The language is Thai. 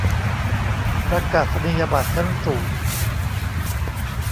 ประกาศนียบัตรชั้นสูง